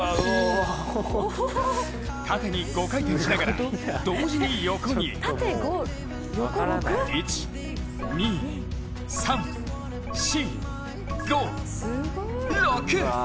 楯に５回転しながら同時に横に１、２、３、４、５、６！